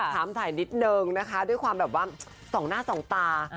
ถามถ่ายนิดนึงนะคะด้วยความแบบว่าส่องหน้าสองตา